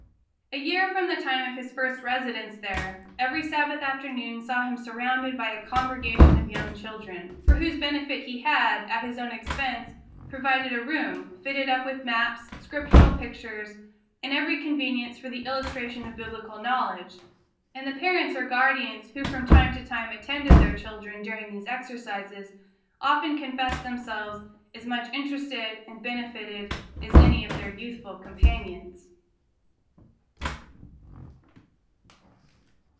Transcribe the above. A year from the time of his first residence there, every Sabbath afternoon saw him surrounded by a congregation of young children, for whose benefit he had, at his own expense, provided a room, fitted up with maps, Scriptural pictures, and every convenience for the illustration of Biblical knowledge; and the parents or guardians who from time to time attended their children during these exercises often confessed themselves as much interested and benefited as any of their youthful companions.